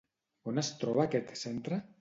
On es troba aquest centre?